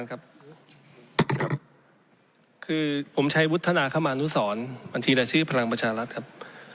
คือผมใช้วุฒนาขมานุศรบรรทีและชื่อพลังปัชภรรมรัฐครับ